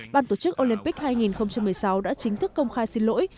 ban tổ chức olympic hai nghìn một mươi sáu đã chính thức công khai xin lỗi